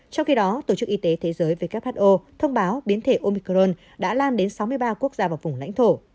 trong khi đó tổ chức y tế thế giới who thông báo biến thể omicron đã lan đến sáu mươi ba quốc gia và vùng lãnh thổ